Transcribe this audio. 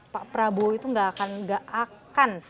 pak prabowo itu gak akan